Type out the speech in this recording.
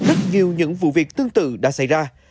trong năm nay rất nhiều những vụ việc tương tự đã xảy ra